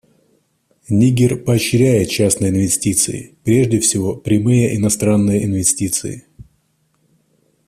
Нигер поощряет частные инвестиции, прежде всего прямые иностранные инвестиции.